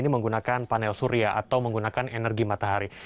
menggunakan panel surya atau menggunakan energi matahari